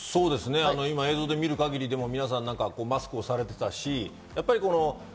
映像で見る限りでも皆さん、マスクをされていましたし。